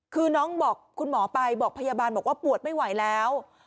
คือน้องบอกคุณหมอไปบอกพยาบาลบอกว่าปวดไม่ไหวแล้ว